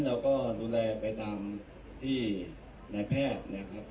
เราก็ดูแลไปตามที่นายแพทย์นะครับ